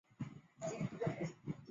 新奇士供应有品质控制。